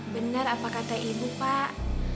benar apa kata ibu pak